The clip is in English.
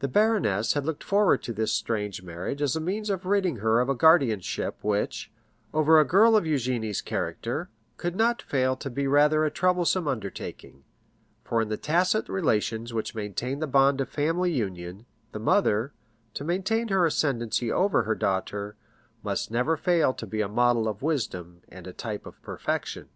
The baroness had looked forward to this marriage as a means of ridding her of a guardianship which, over a girl of Eugénie's character, could not fail to be rather a troublesome undertaking; for in the tacit relations which maintain the bond of family union, the mother, to maintain her ascendancy over her daughter, must never fail to be a model of wisdom and a type of perfection.